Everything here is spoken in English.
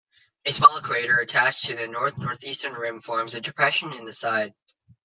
A small crater attached to the north-northeastern rim forms a depression in the side.